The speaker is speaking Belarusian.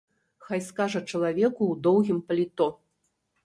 Хай скажа чалавеку ў доўгім паліто.